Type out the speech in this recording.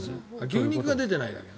牛肉が出てないな。